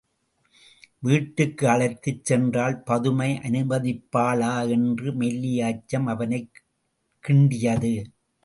வீட்டுக்கு அழைத்துச் சென்றால் பதுமை அனுமதிப்பாளா என்ற மெல்லிய அச்சம் அவனைக் கிண்டியது.